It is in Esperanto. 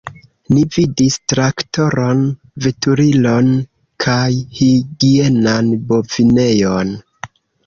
Ni vidis traktoron, veturilon kaj higienan bovinejon.